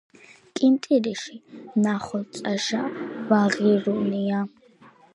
კინტირიში ნახოწაშა ვაღირუნია